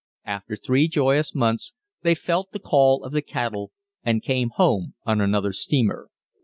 After three joyous months, they felt the call of the cattle, and came home on another steamer.